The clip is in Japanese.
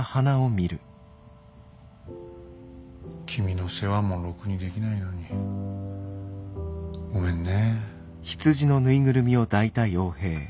君の世話もろくにできないのにごめんね。